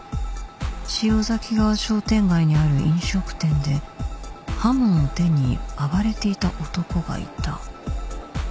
ちよざき川商店街にある飲食店で刃物を手に暴れていた男がいた